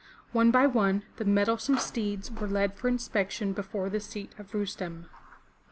One by one, the mettlesome steeds were led for inspection before the seat of Rustem.